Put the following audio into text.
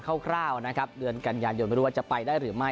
คร่าวคร่าวนะครับเดือนกันยันเดี๋ยวไม่รู้ว่าจะไปได้หรือไม่